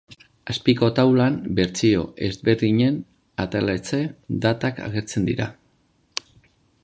Azpiko taulan bertsio ezberdinen ateratze datak agertzen dira.